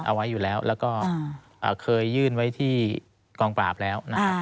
เอาไว้อยู่แล้วแล้วก็เคยยื่นไว้ที่กองปราบแล้วนะครับ